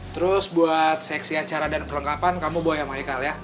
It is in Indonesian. terus buat seksi acara dan perlengkapan kamu bawa ya michael ya